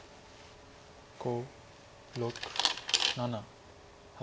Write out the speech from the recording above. ５６７８。